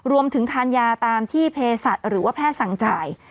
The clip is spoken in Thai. รวมถึงทานยาตามที่เพศัตริย์หรือว่าแพทย์สั่งจ่าย